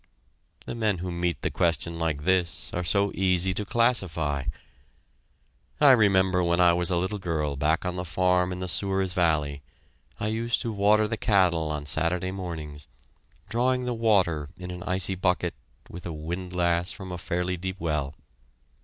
The men who meet the question like this are so easy to classify. I remember when I was a little girl back on the farm in the Souris Valley, I used to water the cattle on Saturday mornings, drawing the water in an icy bucket with a windlass from a fairly deep well.